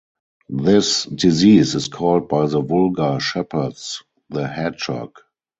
This disease is called by the vulgar shepherds the hedgehog.